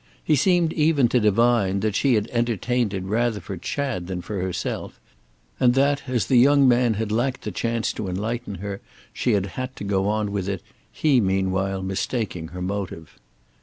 He seemed even to divine that she had entertained it rather for Chad than for herself, and that, as the young man had lacked the chance to enlighten her, she had had to go on with it, he meanwhile mistaking her motive.